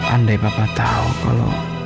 andai papa tahu kalau